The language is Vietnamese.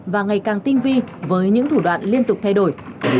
và ngày càng tinh vi với những thủ đoạn liên tục thay đổi